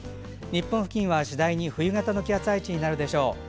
日本付近は次第に冬型の気圧配置になるでしょう。